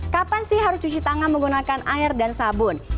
kapan sih harus cuci tangan menggunakan air dan sabun